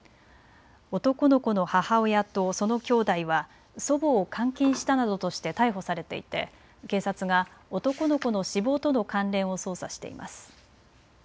男の子の母親とそのきょうだいは祖母を監禁したなどとして逮捕されていて警察が男の子の死亡との関連を捜査しています。